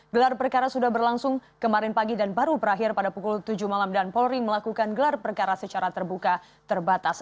gelar perkara sudah berlangsung kemarin pagi dan baru berakhir pada pukul tujuh malam dan polri melakukan gelar perkara secara terbuka terbatas